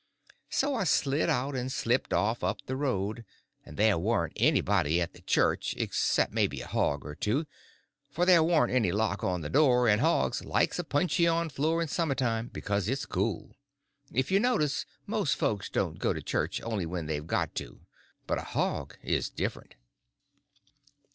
So I slid out and slipped off up the road, and there warn't anybody at the church, except maybe a hog or two, for there warn't any lock on the door, and hogs likes a puncheon floor in summer time because it's cool. If you notice, most folks don't go to church only when they've got to; but a hog is different.